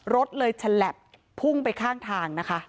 รถเลยฉลับพุ่งไปข้างทางนะคะ